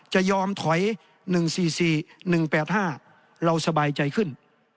จะยอมถอย๑๔๔๑๘๕เราสบายใจขึ้น